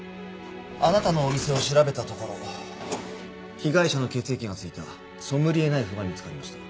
あなたのお店を調べたところ被害者の血液がついたソムリエナイフが見つかりました。